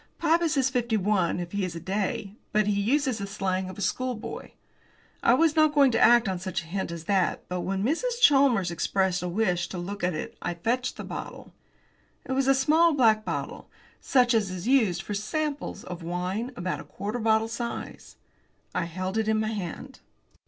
Pybus is fifty five, if he is a day, but he uses the slang of a schoolboy. I was not going to act on such a hint as that, but when Mrs. Chalmers expressed a wish to look at it I fetched the bottle. It was a small black bottle, such as is used for "samples" of wines, about quarter bottle size. I held it in my hand.